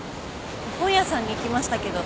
本屋さんに行きましたけど。